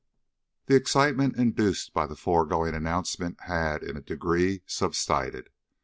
THE excitement induced by the foregoing announcement had, in a degree, subsided.